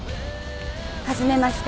初めまして。